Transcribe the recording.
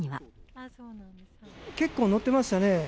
結構乗ってましたね。